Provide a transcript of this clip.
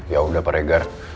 yaudah pak regar